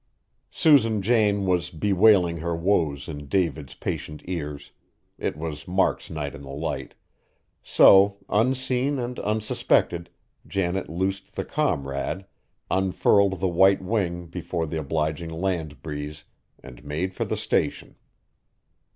Susan Jane was bewailing her woes in David's patient ears, it was Mark's night in the Light, so, unseen and unsuspected, Janet loosed the Comrade, unfurled the white wing before the obliging land breeze, and made for the Station.